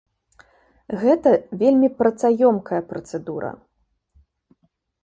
Гэта вельмі працаёмкая працэдура.